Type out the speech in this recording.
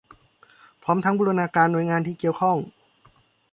พร้อมทั้งบูรณาการหน่วยงานที่เกี่ยวข้อง